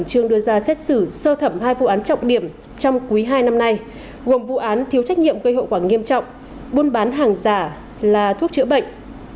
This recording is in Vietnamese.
trường đưa ra xét xử sơ thẩm hai vụ án trọng điểm trong quý hai năm nay gồm vụ án thiếu trách nhiệm gây hậu quả nghiêm trọng buôn bán hàng giả là thuốc chữa bệnh